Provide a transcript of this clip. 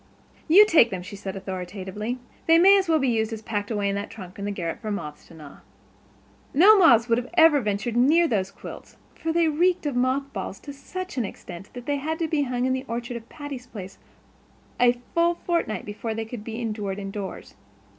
"You take them," she said authoritatively. "They might as well be in use as packed away in that trunk in the garret for moths to gnaw." No moths would ever have ventured near those quilts, for they reeked of mothballs to such an extent that they had to be hung in the orchard of Patty's Place a full fortnight before they could be endured indoors.